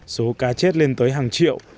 số cá chết lên tới hàng triệu